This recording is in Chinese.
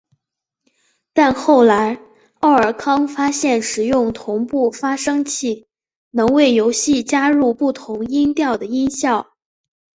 但后来奥尔康发现使用同步发生器能为游戏加入不同音调的音效。